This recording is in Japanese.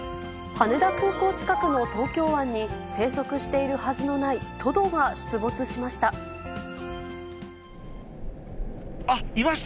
羽田空港近くの東京湾に、生息しているはずのないトドが出没しました。